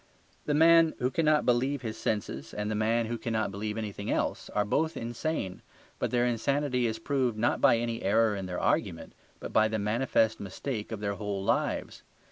The man who cannot believe his senses, and the man who cannot believe anything else, are both insane, but their insanity is proved not by any error in their argument, but by the manifest mistake of their whole lives.